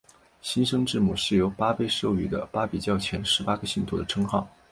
新生字母是由巴孛授予的巴比教前十八个信徒的称号。